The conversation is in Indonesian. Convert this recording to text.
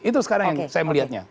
itu sekarang yang saya melihatnya